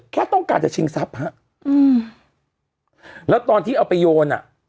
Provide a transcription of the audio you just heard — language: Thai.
แค่ต้องการจะชิงทรัพย์ฮะอืมแล้วตอนที่เอาไปโยนอ่ะ